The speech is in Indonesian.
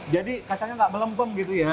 jadi kacangnya gak melempem gitu ya